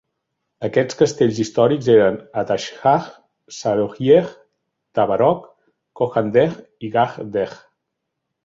Aquests castells històrics eren "Atashgah", "Sarooyieh", "Tabarok", "Kohan Dej" i "Gard Dej".